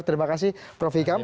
terima kasih prof ikam